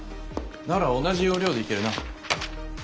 なら同じ要領でいけるな。